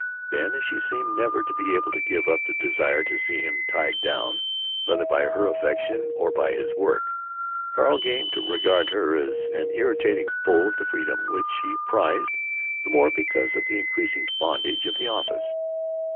Then, as she seemed never to be able to give up the desire to see him tied down, whether by her affection or by his work, Carl came to regard her as an irritating foe to the freedom which he prized the more because of the increasing bondage of the office.